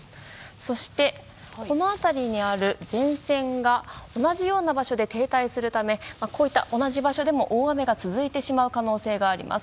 そして、この辺りにある前線が同じような場所で停滞するためこういった同じ場所でも大雨が続いてしまう可能性があります。